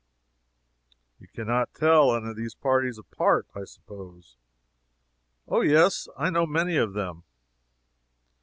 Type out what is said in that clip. You can not tell any of these parties apart, I suppose?" "Oh, yes, I know many of them."